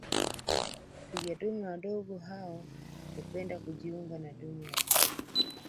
Twiga dume wadogo hao hupenda kujiunga na dume wakubwa